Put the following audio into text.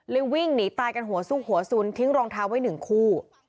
วิ่งหนีตายกันหัวซุกหัวสุนทิ้งรองเท้าไว้หนึ่งคู่